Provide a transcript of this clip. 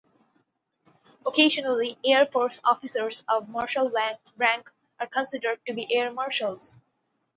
Occasionally, air force officers of marshal rank are considered to be air marshals.